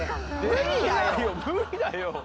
無理だよ！